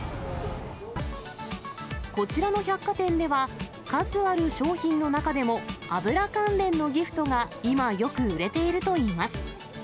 こちらの百貨店では、数ある商品の中でも、油関連のギフトが今、よく売れているといいます。